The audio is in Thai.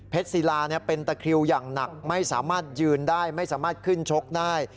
ศิลาเป็นตะคริวอย่างหนักไม่สามารถยืนได้ไม่สามารถขึ้นชกได้